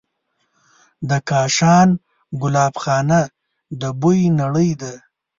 د کاشان ګلابخانه د بوی نړۍ ده.